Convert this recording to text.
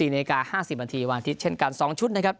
๔นาฬิกา๕๐นาทีวันอาทิตย์เช่นกัน๒ชุดนะครับ